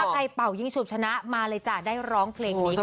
ถ้าใครเป่ายิ้งฉุบชนะมาเลยจะได้ร้องเพลงนี้คุณผู้ชม